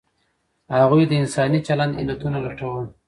هغوی د انساني چلند علتونه لټول.